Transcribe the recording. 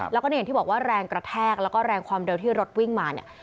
แล้วก็อย่างที่บอกว่าแรงกระแทกแล้วก็แรงความเร็วที่รถวิ่งมาเนี่ย